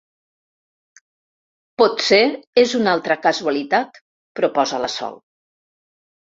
Potser és una altra casualitat —proposa la Sol.